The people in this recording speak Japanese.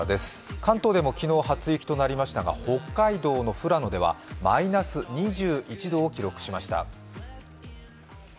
関東でも昨日、初雪となりましたが北海道の富良野ではマイナス２１度を記録しました。